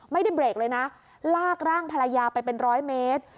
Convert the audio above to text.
ไม่ได้เบรกเลยนะลากร่างภรรยาไปเป็นร้อยเมตร